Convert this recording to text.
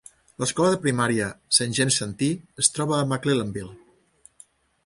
L'escola de primària Saint James-Santee es troba a McClellanville.